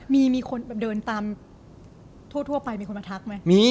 มีคนเดินตามทั่วไปมีคนมาทักไหม